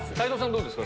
どうですか？